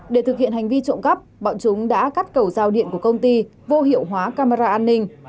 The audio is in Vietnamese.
để thực hiện hành vi trộm cắp bọn chúng đã cắt cầu giao điện của công ty vô hiệu hóa camera an ninh